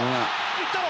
行ったろ！